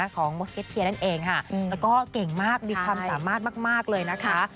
ของมสเก็ตเทียนั่นเองค่ะแล้วก็เก่งมากมีความสามารถมากเลยนะคะ